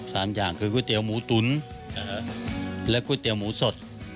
อย่างคือก๋วยเตี๋ยวหมูตุ๋นและก๋วยเตี๋ยวหมูสด